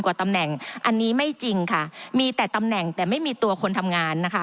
กว่าตำแหน่งอันนี้ไม่จริงค่ะมีแต่ตำแหน่งแต่ไม่มีตัวคนทำงานนะคะ